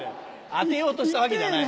当てようとしたわけじゃない。